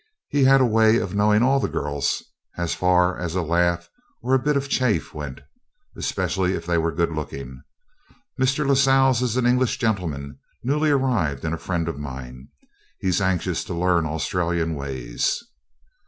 He had a way of knowing all the girls, as far as a laugh or a bit of chaff went, especially if they were good looking. 'Mr. Lascelles is an English gentleman, newly arrived, and a friend of mine. He's anxious to learn Australian ways.'